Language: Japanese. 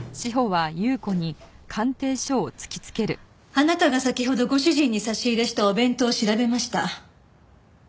あなたが先ほどご主人に差し入れしたお弁当を調べました。